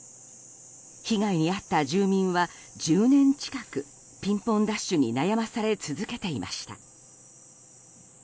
被害に遭った住民は１０年近くピンポンダッシュに悩まされ続けていました。